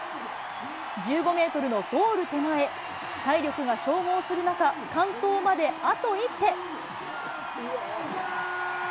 １５メートルのゴール手前、体力が消耗する中、完登まであと一手。